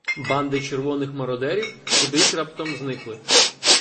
Банди червоних мародерів кудись раптом зникли.